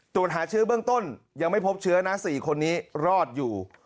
ตรวจหาเชื้อเบื้องต้นยังไม่พบเชื้อนะ๔คนนี้รอดอยู่